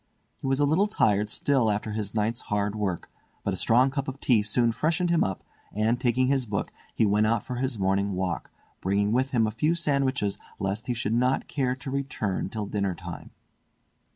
He was a little tired still after his night's hard work, but a strong cup of tea soon freshened him up and, taking his book, he went out for his morning walk, bringing with him a few sandwiches lest he should not care to return till dinner time.